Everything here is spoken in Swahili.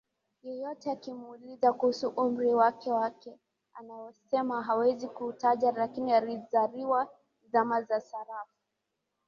Yeyote akimuuliza kuhusu umri wake wake anasema hawezi kuutaja lakini alizaliwa zama za sarafu